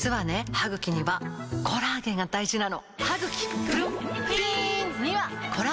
歯ぐきにはコラーゲンが大事なの！